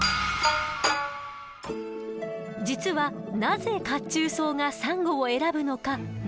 実はなぜ褐虫藻がサンゴを選ぶのか謎だったの。